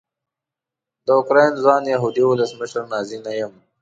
د اوکراین ځوان یهودي ولسمشر نازي نه یم.